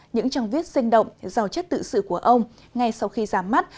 những trang viết sinh động giàu chất tự sự của ông ngay sau khi ra mắt